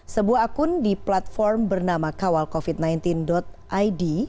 sebuah akun di platform bernama kawalkovid sembilan belas id